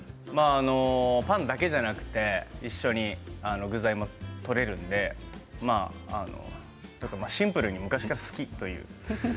パンだけじゃなくて一緒に具材もとれるのでシンプルに昔から好きという。